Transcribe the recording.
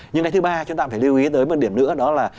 nhưng cái thứ ba chúng ta cũng phải lưu ý tới một điểm nữa đó là